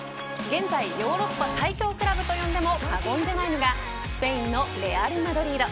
現在、ヨーロッパ最強クラブと呼んでも過言ではないのがスペインのレアル・マドリード。